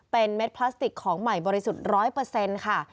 เป็นเม็ดพลาสติกของใหม่บริสุทธิ์๑๐๐ค่ะ